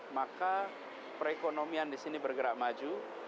maka perekonomian di sini bergerak maju